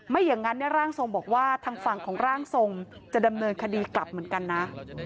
อย่างนั้นร่างทรงบอกว่าทางฝั่งของร่างทรงจะดำเนินคดีกลับเหมือนกันนะ